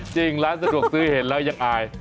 จริงร้านสะดวกซื้อเห็นแล้วยังอาย